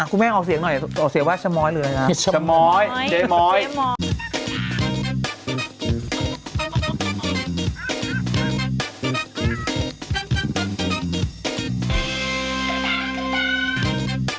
ต่อเสียว่าชะม้อยเลยนะ